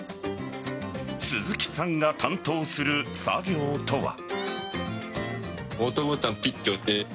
鈴木さんが担当する作業とは。